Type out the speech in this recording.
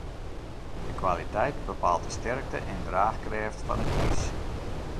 De kwaliteit bepaalt de sterkte en draachkrêft fan it iis.